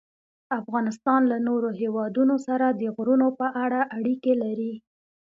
افغانستان له نورو هېوادونو سره د غرونو په اړه اړیکې لري.